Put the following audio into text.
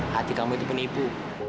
hati kamu itu penipu